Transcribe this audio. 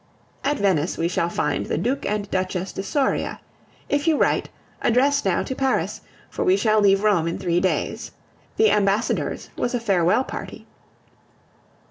At Venice we shall find the Duc and Duchesse de Soria. If you write, address now to Paris, for we shall leave Rome in three days. The ambassador's was a farewell party.